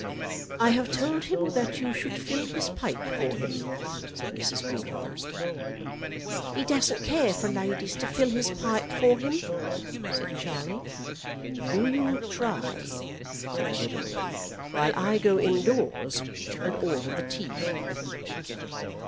"I have told him that you should fill his pipe for him," said Mrs. Greenow. "He doesn't care for ladies to fill his pipe for him," said Charlie. "Do you try," said the widow, "while I go indoors and order the tea."